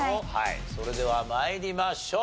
それでは参りましょう。